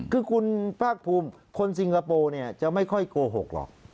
คือคุณภาคภูมิคนสิงคโปร์เนี่ยจะไม่ค่อยโกหกหรอก